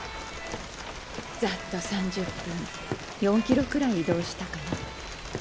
ざっと３０分４キロくらい移動したかな。